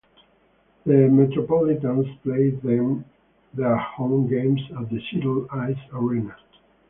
The Metropolitans played their home games at the Seattle Ice Arena.